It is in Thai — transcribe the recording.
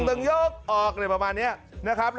ถึงยกออกเลยประมาณนี้นะครับ